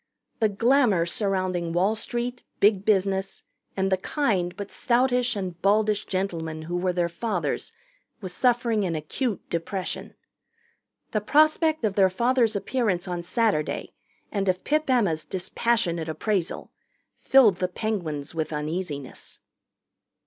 The glamour surrounding Wall Street, Big Business, and the kind but stoutish and baldish gentlemen who were their fathers was suffering an acute depression. The prospect of their fathers' appearance on Saturday and of Pip Emma's dispassionate appraisal filled the Penguins with uneasiness.